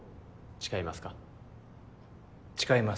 誓います。